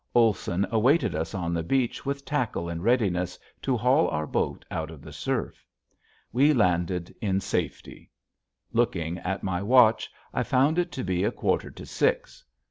Olson awaited us on the beach with tackle in readiness to haul our boat out of the surf. We landed in safety. Looking at my watch I found it to be a quarter to six.